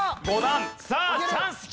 さあチャンスきた！